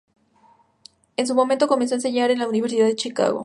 En ese momento comenzó a enseñar en la Universidad de Chicago.